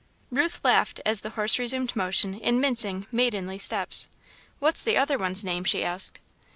Ruth laughed as the horse resumed motion in mincing, maidenly steps. "What's the other one's name?" she asked.